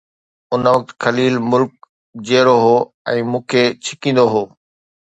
ان وقت خليل ملڪ جيئرو هو ۽ مون کي ڇڪيندو هو.